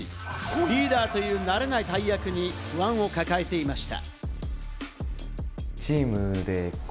リーダーという慣れない大役に不安を抱えていました。